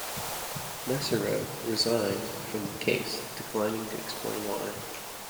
Mesereau resigned from the case, declining to explain why.